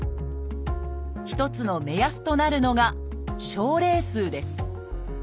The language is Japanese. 一つの目安となるのが症例数です。